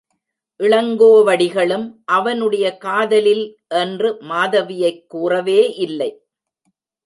இளங்கோவடிகளும் அவனுடைய காதலில் என்று மாதவியைக் கூறவே இல்லை.